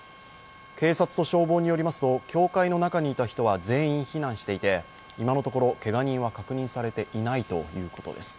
警察と消防によりますと、教会の中にいる人は全員避難していて今のところけが人は確認されていないということです。